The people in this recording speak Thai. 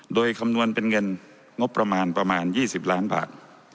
โดยคำนวณเป็นเงินงบประมาณประมาณ๒๐ล้านบาท